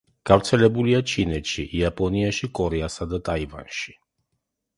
გავრცელებულია ჩინეთში, იაპონიაში, კორეასა და ტაივანში.